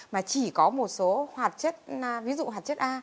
mà chỉ có một số hoạt chất ví dụ hạt chất a